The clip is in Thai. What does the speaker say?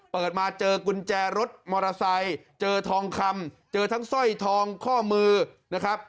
เปิดมาเจอกุญแจรถมอเตอร์ไซค์เจอทองคำเจอทั้งสร้อยทองข้อมือนะครับ